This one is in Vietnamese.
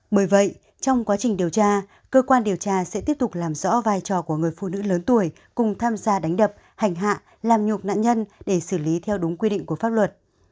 bởi vậy trong quá trình điều tra cơ quan điều tra sẽ tiếp tục làm rõ vai trò của người phụ nữ lớn tuổi cùng tham gia đánh đập hành hạ làm nhục nạn nhân để xử lý theo đúng quy định của pháp luật